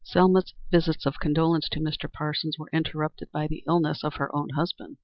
Selma's visits of condolence to Mr. Parsons were interrupted by the illness of her own husband.